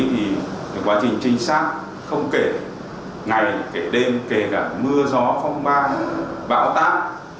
thì quá trình trinh sát không kể ngày kể đêm kể cả mưa gió phong ban bão tác